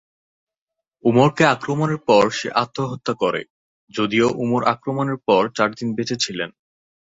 উমরকে আক্রমণের পর সে আত্মহত্যা করে, যদিও উমর আক্রমণের পর চার দিন বেঁচে ছিলেন।